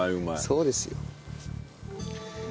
そうですよ。